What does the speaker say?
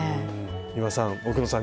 丹羽さん奥野さん